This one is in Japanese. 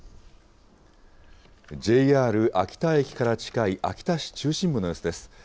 ＪＲ秋田駅から近い秋田市中心部の様子です。